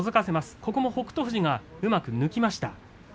そこも北勝富士がうまく抜きました。